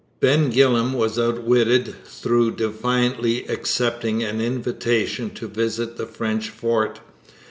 Ben Gillam was outwitted through defiantly accepting an invitation to visit the French fort.